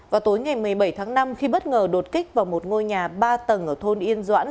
vào tối ngày một mươi bảy tháng năm khi bất ngờ đột kích vào một ngôi nhà ba tầng ở thôn yên doãn